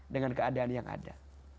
dengan keadaan yang ada